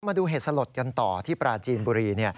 มาดูเหตุสลดกันต่อที่ปราจีนบุรี